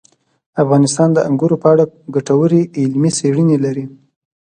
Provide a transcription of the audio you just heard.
افغانستان د انګورو په اړه ګټورې علمي څېړنې لري.